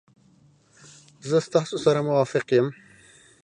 زه ستاسو سره موافق یم.